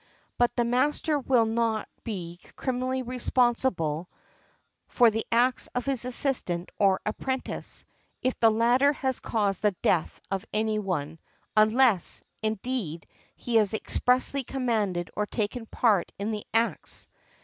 But the master will not be criminally responsible for the acts of his assistant or apprentice, if the latter has caused the death of any one, unless, indeed, he has expressly commanded or taken part in the acts .